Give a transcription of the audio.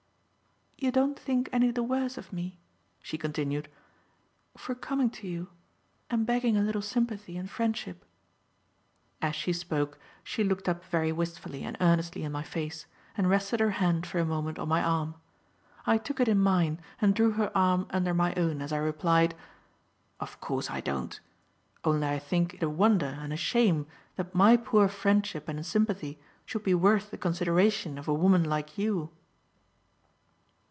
"You don't think any the worse of me," she continued, "for coming to you and begging a little sympathy and friendship?" As she spoke, she looked up very wistfully and earnestly in my face, and rested her hand for a moment on my arm. I took it in mine and drew her arm under my own as I replied: "Of course I don't. Only I think it a wonder and a shame that my poor friendship and sympathy should be worth the consideration of a woman like you."